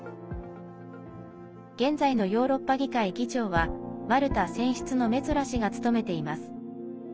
現在のヨーロッパ議会議長はマルタ選出のメツォラ氏が務めています。